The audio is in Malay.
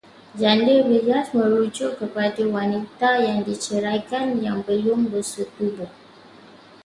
Janda berhias merujuk kepada wanita yang diceraikan yang belum bersetubuh